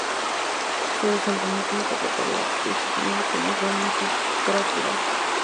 Se desempeñó como Secretario de Justicia Señor y el Señor de Magistratura.